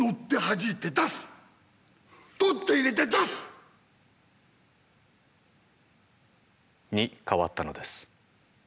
取って入れて出す！に変わったのです。